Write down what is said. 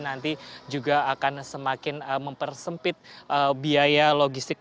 nanti juga akan semakin mempersempit biaya logistik